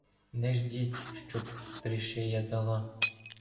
Не ждіть, щоб тришия дала.